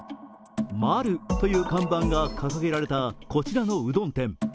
マルという看板が掲げられたこちらのうどん店。